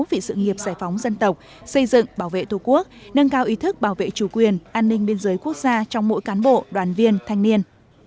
vì sự nghiệp giải phóng dân tộc xây dựng bảo vệ thu quốc nâng cao ý thức bảo vệ chủ quyền an ninh biên giới quốc gia trong mỗi cán bộ đoàn viên thanh niên